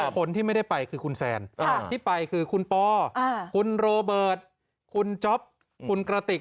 คนที่ไม่ได้ไปคือคุณแซนที่ไปคือคุณปอคุณโรเบิร์ตคุณจ๊อปคุณกระติก